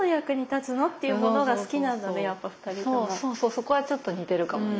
そうそうそうそこはちょっと似てるかもね。